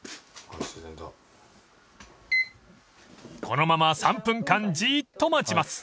［このまま３分間じっと待ちます］